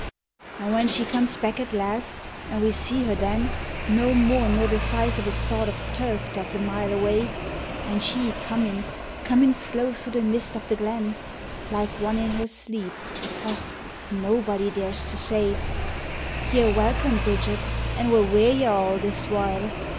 An' when she comes back at last, an' we see her then No more nor the size of a sod of turf that's a mile away, And she cornin', cornin' slow through the mist of the glen, Like one in her sleep, och, nobody dares to say, "You're welcome, Bridget, an' where were y'all this while?"